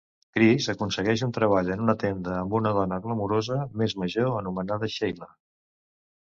Chris aconsegueix un treball en una tenda amb una dona glamurosa més major anomenada Sheila.